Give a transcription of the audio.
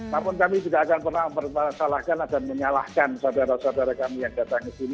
namun kami juga akan pernah mempermasalahkan dan menyalahkan saudara saudara kami yang datang ke sini